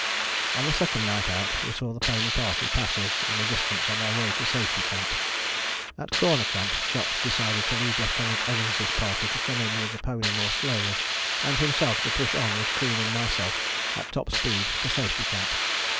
On the second night out we saw the pony party pass us in the distance on their way to Safety Camp. At Corner Camp Scott decided to leave Lieutenant Evans' party to come in with the pony more slowly, and himself to push on with Crean and myself at top speed for Safety Camp.